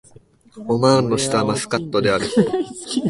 オマーンの首都はマスカットである